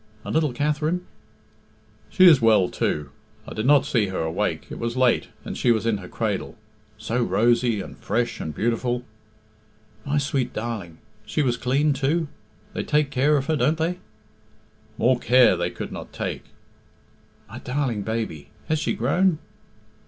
"And little Katherine?" "She is well too. I did not see her awake. It was late, and she was in her cradle. So rosy, and fresh, and beautiful!" "My sweet darling! She was clean too? They take care of her, don't they?" "More care they could not take." "My darling baby! Has she grown?"